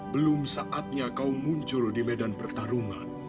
belum saatnya kau muncul di medan pertarungan